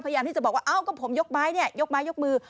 พยายามที่จะบอกว่าเอ้าก็ผมยกไม้เนี่ยยกไม้ยกมือ